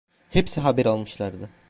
Hepsi haber almışlardı.